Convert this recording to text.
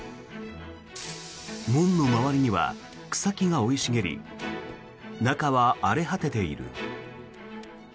門の周りには草木が生い茂り中は荒れ果てている。